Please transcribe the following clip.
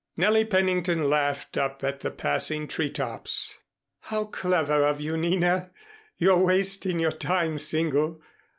Nellie Pennington laughed up at the passing tree tops. "How clever of you, Nina! You're wasting your time single.